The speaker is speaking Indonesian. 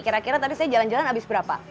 kira kira tadi saya jalan jalan habis berapa